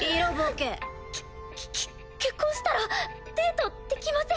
けけ結婚したらデートできません。